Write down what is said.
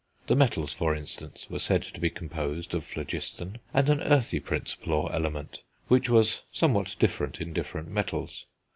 The metals, for instance, were said to be composed of phlogiston and an earthy principle or element, which was somewhat different in different metals.